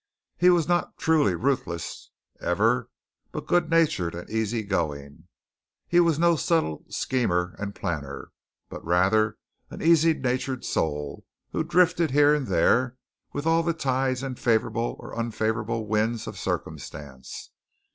He was not truly ruthless ever, but good natured and easy going. He was no subtle schemer and planner, but rather an easy natured soul, who drifted here and there with all the tides and favorable or unfavorable winds of circumstance.